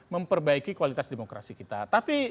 memperbaiki kualitas demokrasi kita tapi